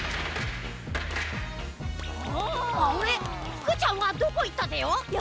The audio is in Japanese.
フクちゃんはどこいったぜよ？